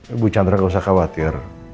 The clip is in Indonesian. ibu chandra gak usah khawatir